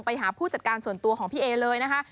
ไปหาผู้จัดการส่วนตัวของพี่เอเลยนะคะ